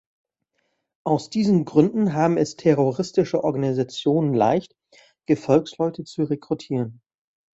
Aus diesen Gründen haben es terroristische Organisationen leicht, Gefolgsleute zu rekrutieren.